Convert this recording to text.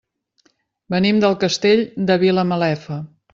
Venim del Castell de Vilamalefa.